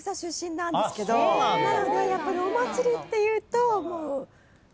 なのでやっぱりお祭りっていうと。